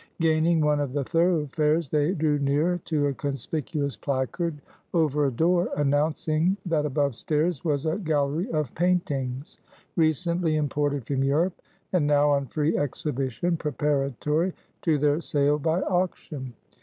Gaining one of the thoroughfares, they drew near to a conspicuous placard over a door, announcing that above stairs was a gallery of paintings, recently imported from Europe, and now on free exhibition preparatory to their sale by auction.